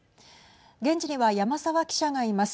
現地には山澤記者がいます。